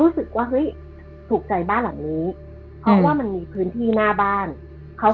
คือเรื่องนี้มันเกิดมาประสบการณ์ของรุ่นนี้มีคนที่เล่าให้พี่ฟังคือชื่อน้องปลานะคะ